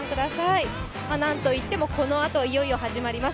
なんといっても、このあといよいよ始まります